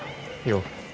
よう。